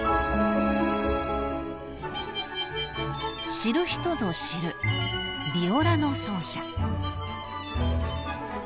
［知る人ぞ知るビオラの奏者］